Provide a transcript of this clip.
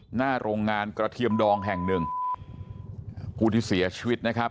หน้าโรงงานกระเทียมดองแห่งหนึ่งผู้ที่เสียชีวิตนะครับ